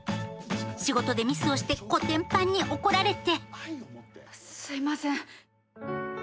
仕事でミスをしてこてんぱんに怒られて。